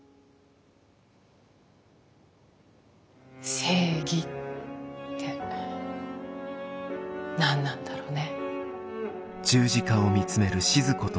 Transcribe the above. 正義って何なんだろうね。